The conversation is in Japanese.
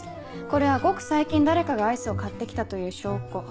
これはごく最近誰かがアイスを買って来たという証拠。